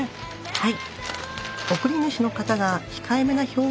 はい。